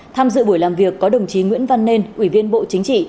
tham dự buổi làm việc có đồng chí nguyễn văn nên ủy viên bộ chính trị